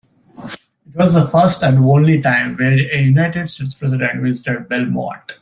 It was the first and only time where a United States president visited Belmont.